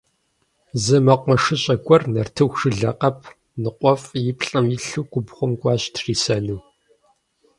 Зы мэкъумэшыщӀэ гуэр нартыху жылэ къэп ныкъуэфӀ и плӀэм илъу губгъуэм кӀуащ трисэну.